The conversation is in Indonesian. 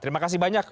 terima kasih banyak